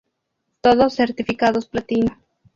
Todos certificados platino.